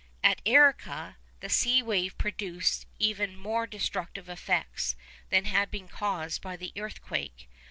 At Arica the sea wave produced even more destructive effects than had been caused by the earthquake.